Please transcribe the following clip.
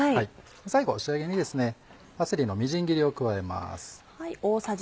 最後仕上げにパセリのみじん切りを加えます。